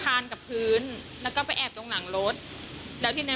และเหมือนเหมือนเข้าที่หน้า